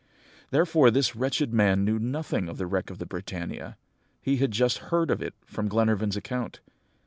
"Therefore this wretched man knew nothing of the wreck of the Britannia; he had just heard of it from Glenarvan's account.